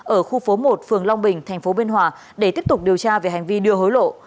ở khu phố một phường long bình tp biên hòa để tiếp tục điều tra về hành vi đưa hối lộ